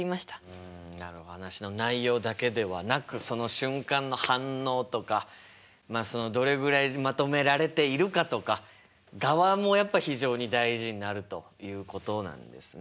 うん話の内容だけではなくその瞬間の反応とかどれぐらいまとめられているかとかガワもやっぱ非常に大事になるということなんですね。